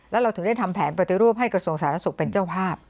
แล้วเราถึงได้ทำแผนปฏิรูปให้กระทรวงสาธารณสุขเป็นเจ้าภาพ